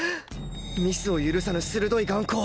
ミスを許さぬ鋭い眼光